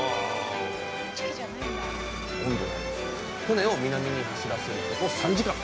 船を南に走らせること３時間。